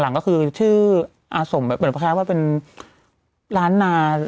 หลังก็คือชื่ออาสมแบบเหมือนคล้ายว่าเป็นร้านนา